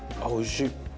おいしい。